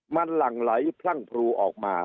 มันหลั่งไหลพรั่งพรูออกมา